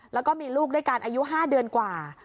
แล้วก็มีลูกด้วยกันอายุ๕เดือนกว่า